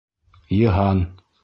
Йыһан!